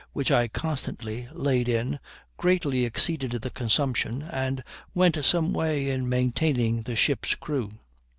which I constantly laid in, greatly exceeded the consumption, and went some way in maintaining the ship's crew.